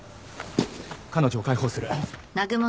彼女を解放する。